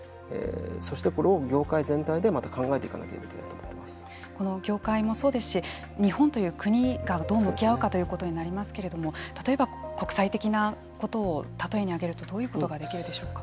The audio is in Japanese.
そしてこれを業界全体でまた考えていかなければ業界もそうですし日本という国がどう向き合うかということになりますけれども例えば、国際的なことを例えに挙げるとどういうことができるでしょうか。